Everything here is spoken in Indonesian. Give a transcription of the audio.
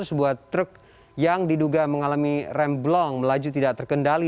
sebuah truk yang diduga mengalami rem blong melaju tidak terkendali